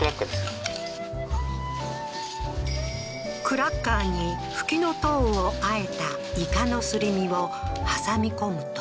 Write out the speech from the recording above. クラッカーにフキノトウを和えたイカのすり身を挟み込むと